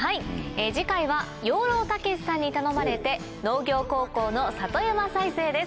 次回は養老孟司さんに頼まれて農業高校の里山再生です。